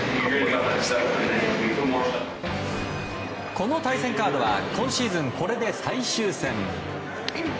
この対戦カードは今シーズン、これで最終戦。